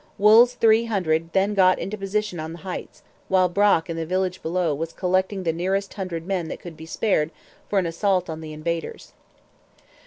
Wool's three hundred then got into position on the Heights; while Brock in the village below was collecting the nearest hundred men that could be spared for an assault on the invaders.